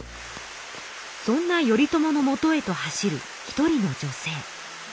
そんな頼朝のもとへと走る一人の女性。